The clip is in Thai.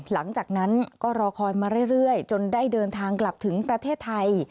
หลังจากนั้นก็รอคอยมาเรื่อยจนได้เดินทางกลับถึงประเทศไทย